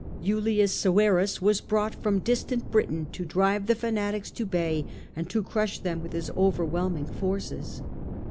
Julius Severus was brought from dis j.ampedout. Britain to drive the fanatics to bay and to crush them with his overwhelming forces.